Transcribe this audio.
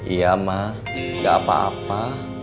iya mah gak apa apa